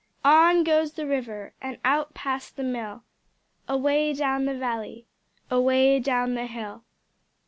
On goes the river And out past the mill, Away down the valley, Away down the hill.